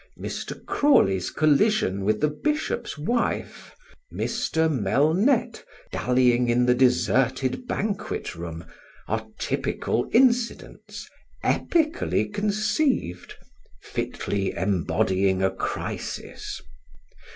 Mr. Crawley's collision with the Bishop's wife, Mr. Melnette dallying in the deserted banquet room, are typical incidents, epically conceived, fitly embodying a crisis.